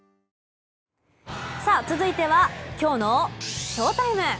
続いてはきょうのＳＨＯＴＩＭＥ。